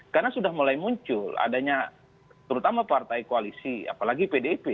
karena sudah mulai muncul adanya terutama partai koalisi apalagi pdip